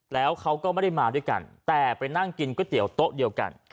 แล้วเขาก็ไม่ได้มาด้วยกันแต่ไปนั่งกินก๋วยเตี๋ยวโต๊ะเดียวกัน